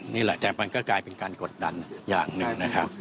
นี่แหละแต่มันก็กลายเป็นการกดดันอย่างหนึ่งนะครับ